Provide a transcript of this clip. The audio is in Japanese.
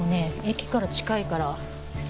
駅から近いから。